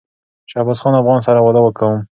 شهبازخان افغان سره واده کوم